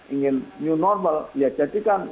ingin new normal ya jadikan